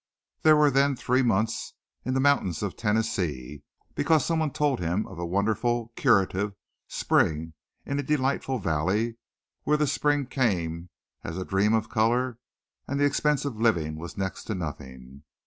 There were then three months in the mountains of Tennessee because someone told him of a wonderfully curative spring in a delightful valley where the spring came as a dream of color and the expense of living was next to nothing.